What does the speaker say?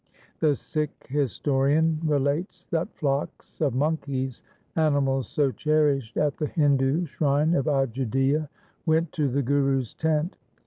The Sikh historian relates that flocks of monkeys — animals so cherished at the Hindu shrine of Ajudhia — went to the Guru's tent.